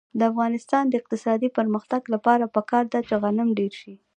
د افغانستان د اقتصادي پرمختګ لپاره پکار ده چې غنم ډېر شي.